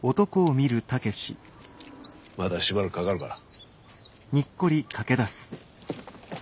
まだしばらくかかるから。